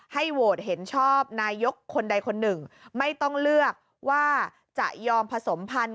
โหวตเห็นชอบนายกคนใดคนหนึ่งไม่ต้องเลือกว่าจะยอมผสมพันธุ